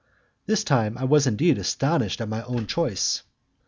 This time I was indeed astonished at my own choice.